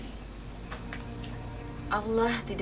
untuk membuat kemampuan kita